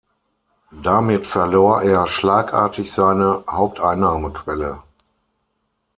Damit verlor er schlagartig seine Haupteinnahmequelle.